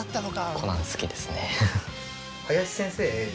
『コナン』好きですね。